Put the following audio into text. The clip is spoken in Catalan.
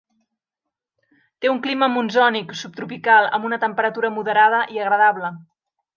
Té un clima monsònic subtropical, amb una temperatura moderada i agradable.